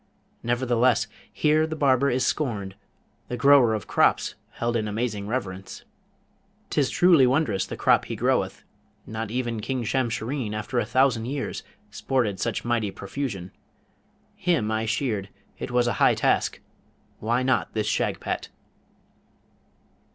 Nevertheless here the barber is scorned, the grower of crops held in amazing reverence.' Then thought he, ''Tis truly wondrous the crop he groweth; not even King Shamshureen, after a thousand years, sported such mighty profusion! Him I sheared: it was a high task! why not this Shagpat?'